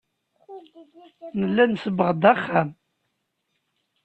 Nella nsebbeɣ-d axxam.